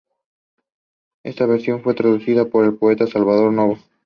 Esta versión fue traducida por el poeta Salvador Novo.